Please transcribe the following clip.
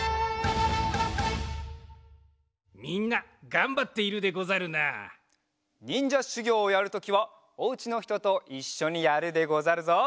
みんながんばっているでござるな。にんじゃしゅぎょうをやるときはお家のひとといっしょにやるでござるぞ。